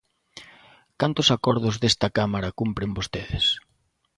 ¿Cantos acordos desta Cámara cumpren vostedes?